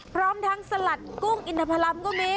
พร้อมทั้งสลัดกุ้งอินทพลัมก็มี